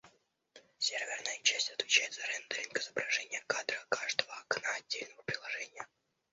Серверная часть отвечает за рендеринг изображения кадра каждого окна отдельного приложения